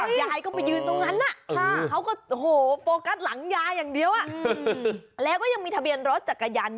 ยายก็ไปยืนตรงนั้นน่ะโอ้โหโฟกัสหลังยายังเดียวน่ะแล้วก็ยังมีทะเบียนรถจากกายานยนต์